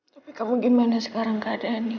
tapi kamu gimana sekarang keadaan ini